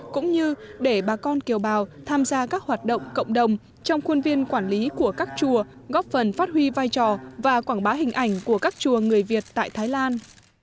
cũng như để bà con kiều bào tham gia các hoạt động cộng đồng trong khuôn viên quản lý của các chùa góp phần phát huy vai trò và quảng bá hình ảnh của các chùa người việt tại thái lan